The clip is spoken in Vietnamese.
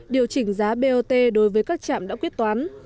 điều chỉnh giá bot đối với các trạm đã quyết toán